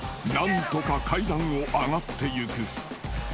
何とか階段を上がってゆく］